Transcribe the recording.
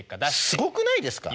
すごくないですか？